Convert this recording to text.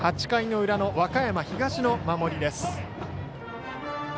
８回の裏の和歌山東の守りです。